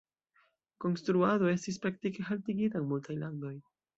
Konstruado estis praktike haltigita en multaj landoj.